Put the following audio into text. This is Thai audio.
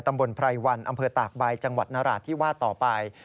ตำบลไพรวันอำเภอตากใบจังหวัดนราชที่วาดต่อไป